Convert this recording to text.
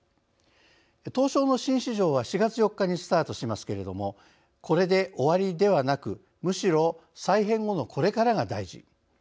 東証の新市場は４月４日にスタートしますけれどもこれで終わりではなくむしろ再編後のこれからが大事。